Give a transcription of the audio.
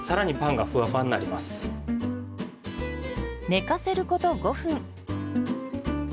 寝かせること５分。